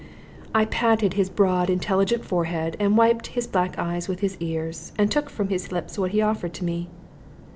I patted his broad intelligent forehead, and wiped his black eyes with his ears, and took from his lips what he offered to me.